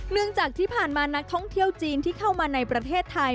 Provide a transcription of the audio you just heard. เนื่องจากที่ผ่านมานักท่องเที่ยวจีนที่เข้ามาในประเทศไทย